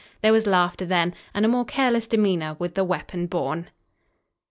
There was laughter then, and a more careless demeanor with the weapon borne.